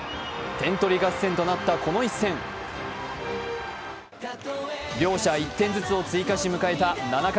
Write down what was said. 点取り合戦となったこの一戦。両者１点ずつを追加し迎えた７回。